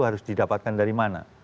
harus didapatkan dari mana